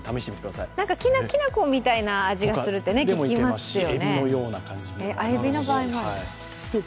きな粉みたいな味がするって聞きますよね。